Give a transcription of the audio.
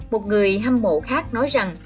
một người hâm mộ khác nói rằng